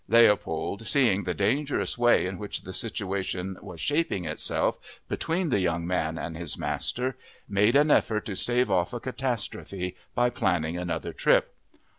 Leopold, seeing the dangerous way in which the situation was shaping itself between the young man and his master, made an effort to stave off a catastrophe by planning another trip.